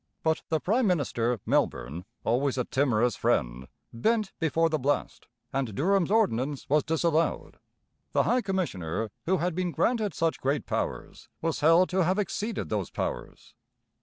But the prime minister Melbourne, always a timorous friend, bent before the blast, and Durham's ordinance was disallowed. The High Commissioner, who had been granted such great powers, was held to have exceeded those powers.